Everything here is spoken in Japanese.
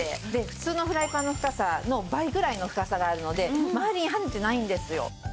普通のフライパンの深さの倍ぐらいの深さがあるので周りに跳ねてないんですよ。